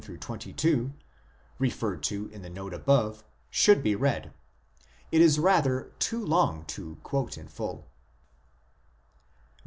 19 22, referred to in the note above, should be read ; it is rather too long to quote in full.